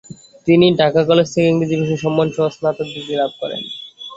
তিনি ঢাকা কলেজ থেকে ইংরেজি বিষয়ে সম্মানসহ স্নাতক ডিগ্রি লাভ করেন।